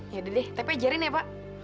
yaudah deh tapi ajarin ya pak